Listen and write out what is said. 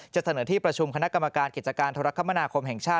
จะเสนอที่ประชุมคณะกรรมการเกียรติการธรรมนาคมแห่งชาติ